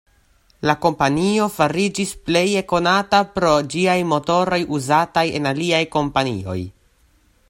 La kompanio fariĝis pleje konata pro ĝiaj motoroj uzataj en aliaj kompanioj.